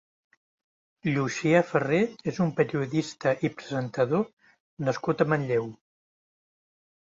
Llucià Ferrer és un periodista i presentador nascut a Manlleu.